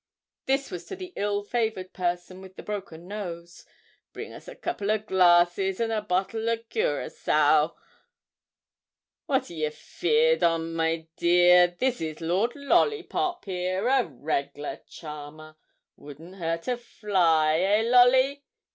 This was to the ill favoured person with the broken nose. 'Bring us a couple o' glasses and a bottle o' curaçoa; what are you fear'd on, my dear? this is Lord Lollipop, here, a reg'lar charmer, wouldn't hurt a fly, hey Lolly?